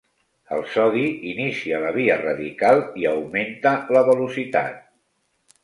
El sodi inicia la via radical i augmenta la velocitat.